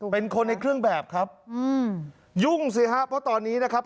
เป็นคนในเครื่องแบบครับอืมยุ่งสิฮะเพราะตอนนี้นะครับ